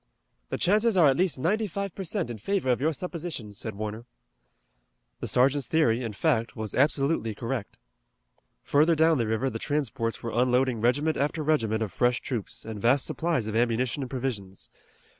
"The chances are at least ninety five per cent in favor of your supposition," said Warner. The sergeant's theory, in fact, was absolutely correct. Further down the river the transports were unloading regiment after regiment of fresh troops, and vast supplies of ammunition and provisions.